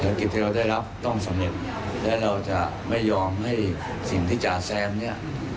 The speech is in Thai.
กิจที่เราได้รับต้องสำเร็จและเราจะไม่ยอมให้สิ่งที่จ๋าแซมเนี่ย